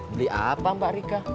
beli apa mbak rika